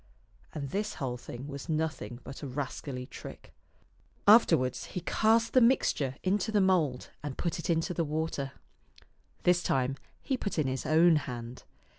And this whole thing was nothing but a rascally trick ! Afterwards he cast the mixture into the mould and put it into the water. This time he put in his own hand.